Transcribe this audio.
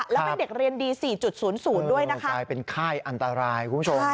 แล้วเป็นเด็กเรียนดี๔๐๐ด้วยนะคะกลายเป็นค่ายอันตรายคุณผู้ชม